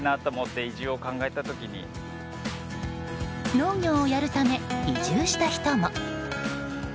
農業をやるため移住した人も。